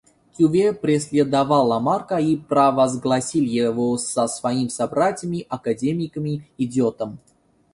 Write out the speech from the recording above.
Кювье преследовал Ламарка и провозгласил его со своими собратьями-академиками идиотом.